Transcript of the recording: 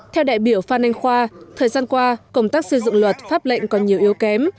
theo đại biểu phan anh khoa thời gian qua công tác xây dựng luật pháp lệnh còn nhiều yếu kém